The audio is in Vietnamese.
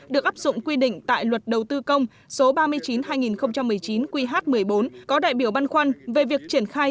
được áp dụng quy định tại luật đầu tư công số ba mươi chín hai nghìn một mươi chín qh một mươi bốn có đại biểu băn khoăn về việc triển khai